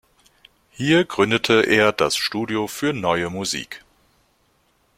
Hier gründete er das Studio für Neue Musik.